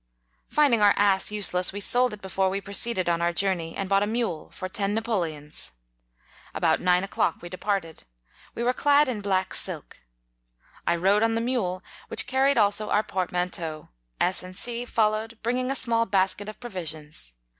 Finding our ass useless, we sold it 16 before we proceeded on our journey, and bought a mule, for ten Napoleons. About nine o'clock we departed. We were clad in black silk. I rode on the mule, which carried also our portman teau ; S and C followed, bring ing a small basket of provisions.